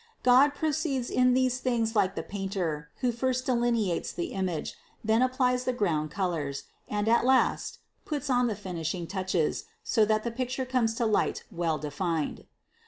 God proceeds in these things like the painter, who first delineates the image, then ap plies the ground colors, and at last puts on the finishing touches, so that the picture comes to light well defined.